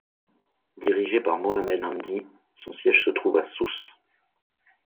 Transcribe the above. Dirigé par Mohamed Hamdi, son siège se trouve à Sousse.